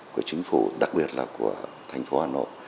của chính phủ đặc biệt là của thành phố hà nội